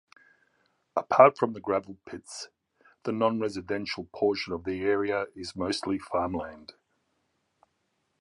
Apart from the gravel pits, the non-residential portion of the area is mostly farmland.